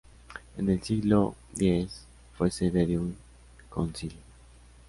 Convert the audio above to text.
En el siglo X fue sede de un concilio.